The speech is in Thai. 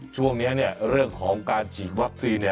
ช่วงนี้เนี่ยเรื่องของการฉีดวัคซีน